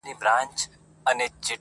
دا ځل به مخه زه د هیڅ یو توپان و نه نیسم